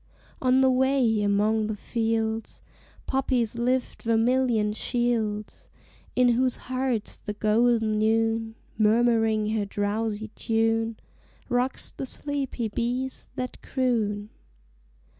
On the way, among the fields, Poppies lift vermilion shields, In whose hearts the golden Noon, Murmuring her drowsy tune, Rocks the sleepy bees that croon.